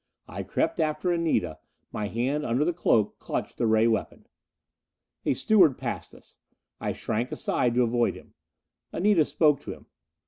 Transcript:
I crept after Anita; my hand under the cloak clutched the ray weapon. A steward passed us. I shrank aside to avoid him. Anita spoke to him.